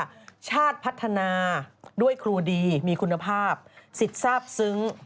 ชาติพัฒนาด้วยครูดีมีคุณภาพสิทธิ์ทราบซึ้ง